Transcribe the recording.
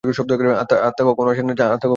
আত্মা কখনও আসেনও না, যানও না।